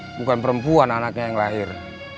bukan perempuan anaknya yang lahir